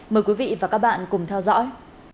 mời quý vị và các bạn cùng theo dõi